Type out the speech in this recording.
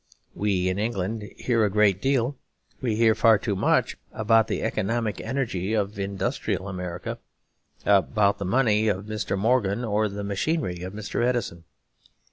We in England hear a great deal, we hear far too much, about the economic energy of industrial America, about the money of Mr. Morgan, or the machinery of Mr. Edison.